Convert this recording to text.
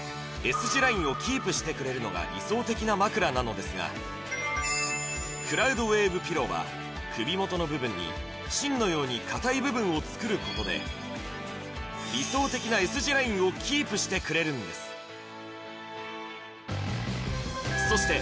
字ラインをキープしてくれるのが理想的な枕なのですがクラウドウェーブピローは首元の部分に芯のように硬い部分を作ることでしてくれるんですそして